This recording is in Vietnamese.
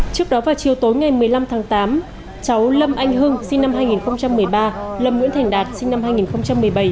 trước đó vào chiều tối ngày một mươi năm tháng tám cháu lâm anh hưng sinh năm hai nghìn một mươi ba lâm nguyễn thành đạt sinh năm hai nghìn một mươi bảy